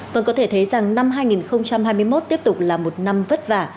vâng có thể thấy rằng năm hai nghìn hai mươi một tiếp tục là một năm vất vả